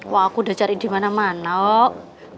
wah aku udah cari dimana mana kok